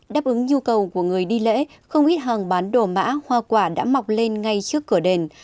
đáp ứng nhu cầu của người đi lễ không ít hàng bán đồ mã hoa quả đã mọc lên ngay trước cửa đền